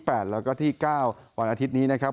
แล้วก็ที่๙วันอาทิตย์นี้นะครับ